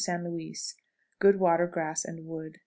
San Louis. Good water, grass, and wood.